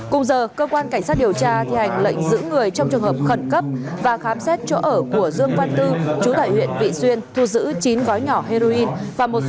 cùng giờ cơ quan cảnh sát điều tra thì hành lệnh giữ người trong trường hợp khẩn cấp và khám xét chỗ ở của dương văn tư chú tại huyện vị xuyên thu giữ chín gói nhỏ heroin và một số đồ vật khác có liên quan đến hành vi mua bán trái phép chất ma túy